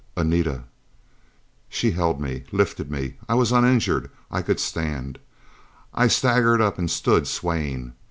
"Anita!" She held me, lifted me. I was uninjured. I could stand: I staggered up and stood swaying.